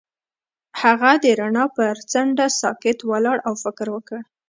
هغه د رڼا پر څنډه ساکت ولاړ او فکر وکړ.